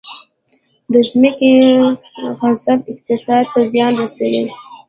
د ځمکې غصب اقتصاد ته زیان رسوي